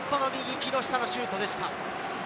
木下のシュートでした。